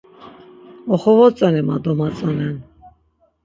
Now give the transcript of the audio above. Oxovotzoni va domatzonen.